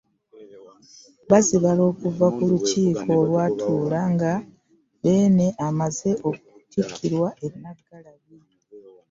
Bazibala okuva ku Lukiiko olwatuula nga Beene amaze okutikkirwa e Naggalabi.